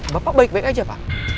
bapak baik baik aja pak